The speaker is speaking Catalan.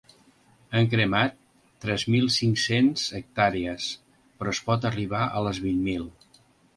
Han cremat tres mil cinc-cents hectàrees, però es pot arribar a les vint mil.